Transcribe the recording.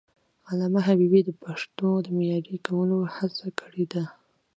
علامه حبيبي د پښتو د معیاري کولو هڅه کړې ده.